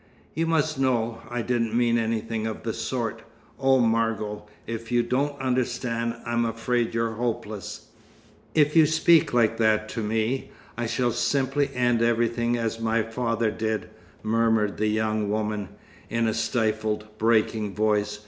"You must know I didn't mean anything of the sort. Oh, Margot, if you don't understand, I'm afraid you're hopeless." "If you speak like that to me, I shall simply end everything as my father did," murmured the young woman, in a stifled, breaking voice.